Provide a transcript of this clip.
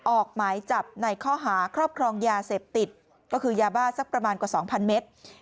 ออกหมายจับในข้อหาครอบครองยาเสพติดก็คือยาบ้าสักประมาณกว่า๒๐๐เมตร